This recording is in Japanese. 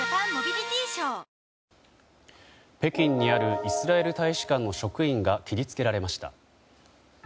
北京にあるイスラエル大使館の職員が切り付けられました。